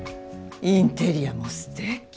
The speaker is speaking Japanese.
インテリアもすてき。